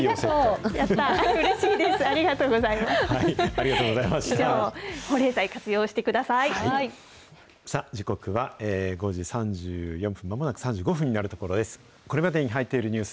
さあ、時刻は５時３４分、まもなく３５分になるところです。